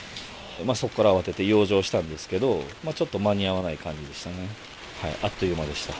そこから慌てて養生したんですけど、ちょっと間に合わない感じでしたね。